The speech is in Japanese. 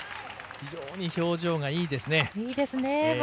非常に表情がいいですね。